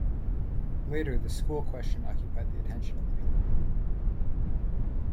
Later the school question occupied the attention of the people.